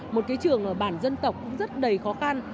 một cái trường ở bản dân tộc cũng rất đầy khó khăn